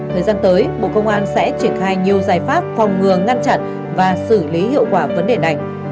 thời gian tới bộ công an sẽ triển khai nhiều giải pháp phòng ngừa ngăn chặn và xử lý hiệu quả vấn đề này